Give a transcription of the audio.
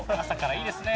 いいですね。